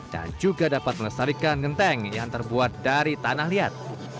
dan juga dapat menelestalikan genteng yang terbuat dari tanah liat